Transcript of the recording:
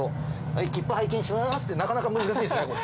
「はい切符拝見します」ってなかなか難しいですねこれ。